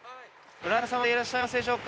村中様でいらっしゃいますでしょうか？